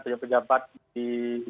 oleh pejabat di